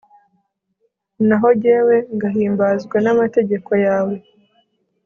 naho jyewe ngahimbazwa n'amategeko yawe